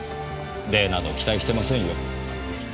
礼など期待してませんよ。